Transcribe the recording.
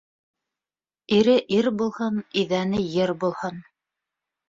Ире ир булһын, иҙәне ер булһын.